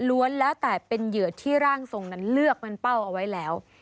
แล้วแต่เป็นเหยื่อที่ร่างทรงนั้นเลือกเป็นเป้าเอาไว้แล้ว